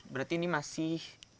berarti ini masih